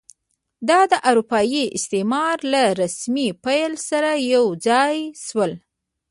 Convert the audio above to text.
دا د اروپایي استعمار له رسمي پیل سره یو ځای شول.